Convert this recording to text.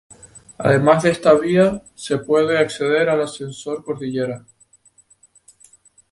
Además por esta vía se puede acceder al ascensor Cordillera.